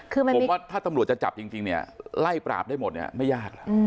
ผมว่าถ้าตำรวจจะจับจริงไล่ปราบได้หมดเนี่ยไม่ยาก